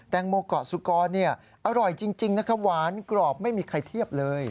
งโมเกาะสุกรอร่อยจริงนะคะหวานกรอบไม่มีใครเทียบเลย